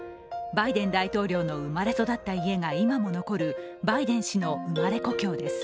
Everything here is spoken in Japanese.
バイデン大統領の生まれ育った家が今も残るバイデン氏の生まれ故郷です。